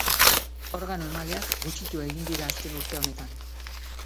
Organo emaleak gutxitu egin dira azken urte honetan.